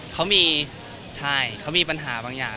เขามีใช่เขามีปัญหาบางอย่าง